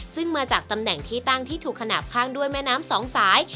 ซึ่งมาจากตำแหน่งที่ตั้งที่ถูกขนาดข้างด้วยแม่น้ำสองสาย